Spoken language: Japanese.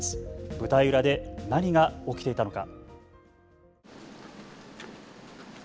舞台裏で何が起きていたのか。